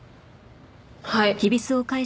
はい。